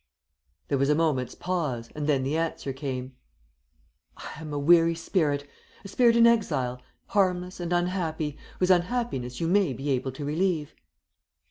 There was a moment's pause, and then the answer came, "I am a weary spirit a spirit in exile harmless and unhappy, whose unhappiness you may be able to relieve."